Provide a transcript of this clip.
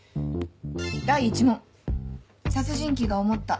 「第１問殺人鬼が思った。